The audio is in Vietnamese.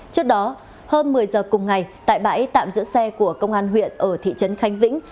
trước đó hôm một mươi giờ cùng ngày tại bãi tạm giữ xe của công an huyện ở thị trấn khánh vĩnh